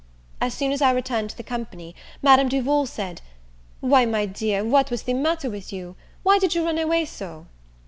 As soon as I returned to the company, Madame Duval said, "Why, my dear, what was the matter with you? why did you run away so?"